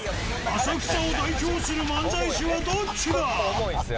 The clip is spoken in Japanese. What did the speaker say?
浅草を代表する漫才師はどっちだ？